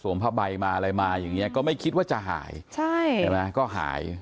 ผ้าใบมาอะไรมาอย่างเงี้ก็ไม่คิดว่าจะหายใช่ใช่ไหมก็หาย